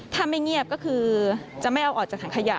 ถ้าไม่เงียบก็คือจะไม่เอาออกจากถังขยะ